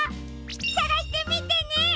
さがしてみてね！